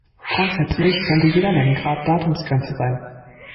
Grundsätzlich könnte jeder Längengrad Datumsgrenze sein.